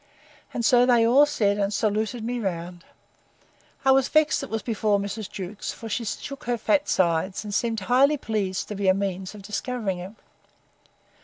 And so they all said, and saluted me all round.—I was vexed it was before Mrs. Jewkes; for she shook her fat sides, and seemed highly pleased to be a means of discovering it.